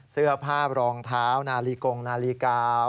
เสื้อผ้ารองเท้านาลีกงนาฬิกาว